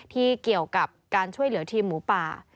ที่เกี่ยวกับการช่วยเหลือทีมหมูป่า